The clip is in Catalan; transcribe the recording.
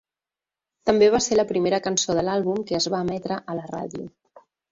També va ser la primera cançó de l'àlbum que es va emetre a la ràdio.